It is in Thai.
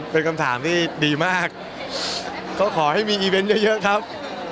เป็นคำถามที่ดีมากก็ขอให้มีอีเวนต์เยอะครับ